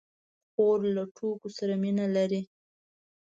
خور له ټوکو سره مینه لري.